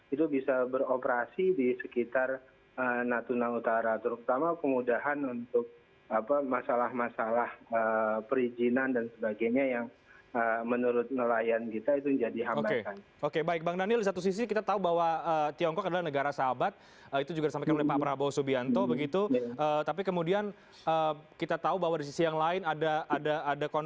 itu bisa beroperasi di sekitar natuna utara terutama kemudahan untuk masalah masalah perizinan dan sebagainya